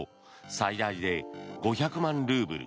最大で５００万ルーブル